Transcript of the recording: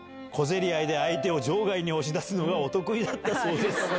小競り合いで相手を場外に押し出すのがお得意だったそうです。